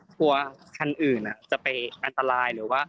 กลัวว่าคันอื่นจะไปอันตรายหรือว่า